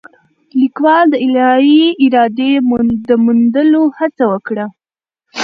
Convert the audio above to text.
لیکوال د الهي ارادې د موندلو هڅه وکړه.